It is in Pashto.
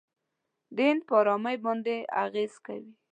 د هند پر آرامۍ باندې اغېزه کوي.